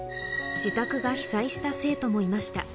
自宅が被災した生徒もいました。